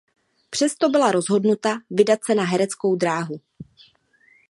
Přesto byla rozhodnuta vydat se na hereckou dráhu.